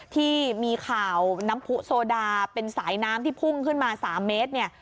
ที่มีข่าวน้ำผู้โซดาเป็นสายน้ำที่พุ่งขึ้นมา๓เมตรเนี่ย